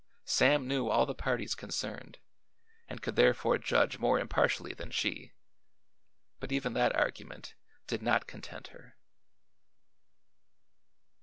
Sam knew all the parties concerned, and could therefore judge more impartially than she; but even that argument did not content her.